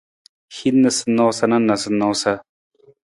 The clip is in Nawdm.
Hin noosanoosa na noosanoosa.